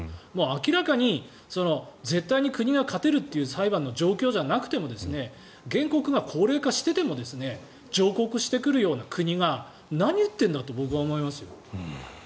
明らかに絶対に国が勝てるという状況の裁判じゃなくても原告が高齢化してても上告してくるような国が何を言っているんだと僕は思いますよ。